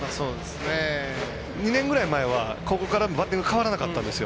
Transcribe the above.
２年ぐらい前はここからバッティング変わらなかったんですよ。